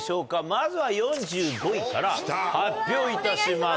まずは４５位から発表いたします。